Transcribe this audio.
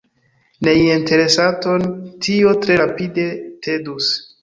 Neinteresaton tio tre rapide tedus.